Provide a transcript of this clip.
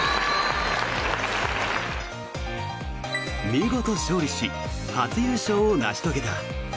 見事、勝利し初優勝を成し遂げた。